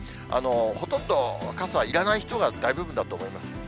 ほとんど傘いらない人が大部分だと思います。